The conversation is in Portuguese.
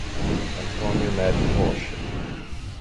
Antônio Neto Rocha